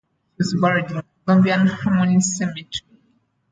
He was buried in Columbian Harmony Cemetery.